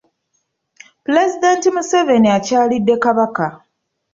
Pulezidenti Museveni akyalidde Kabaka.